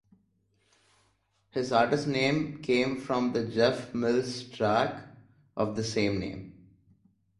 His artist name comes from the Jeff Mills' track of the same name.